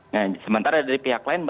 nah sementara dari pihak lain